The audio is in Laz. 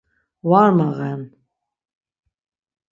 Var mağen.